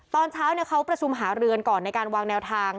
ตอนเช้าเขาประชุมหาเรือนก่อนในการวางแนวทาง